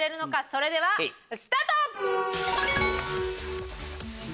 それではスタート！